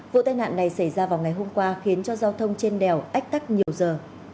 vụ tai nạn này xảy ra vào ngày hôm qua khiến cho giao thông trên đèo ách tắc nhiều giờ